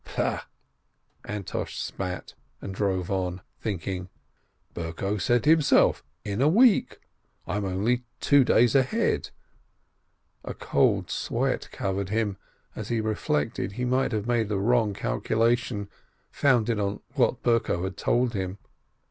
"Pfui," Antosh spat, and drove on, thinking, "Berko said himself, 'In a week.' I am only two days ahead." A cold sweat covered him, as he reflected he might have made a wrong calculation, founded on what Berko had told him.